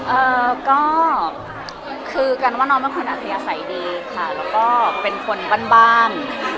เอ่อก็คือกันว่าน้องเป็นคนอัธยาศัยดีค่ะแล้วก็เป็นคนบ้านบ้าน